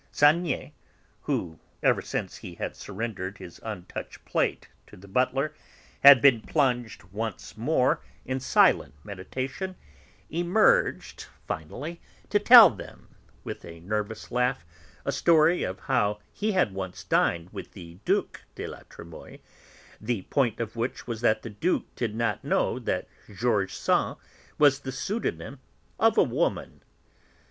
Saniette who, ever since he had surrendered his untouched plate to the butler, had been plunged once more in silent meditation, emerged finally to tell them, with a nervous laugh, a story of how he had once dined with the Duc de La Trémoïlle, the point of which was that the Duke did not know that George Sand was the pseudonym of a woman.